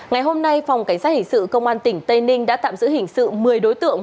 ngày hôm nay phòng cảnh sát hình sự công an tỉnh tây ninh đã tạm giữ hình sự một mươi đối tượng